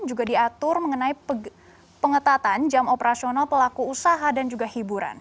juga diatur mengenai pengetatan jam operasional pelaku usaha dan juga hiburan